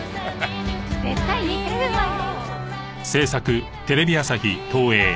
絶対似てるわよ。